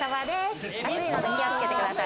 熱いので気をつけてください。